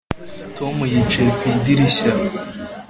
Tom yicaye ku idirishya